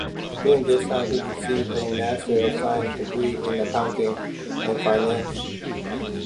During this time, he received a Master of Science degree in Accounting and Finance.